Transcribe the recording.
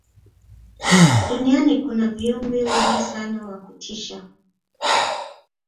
duniani kuna viumbe wengi sana wa kutisha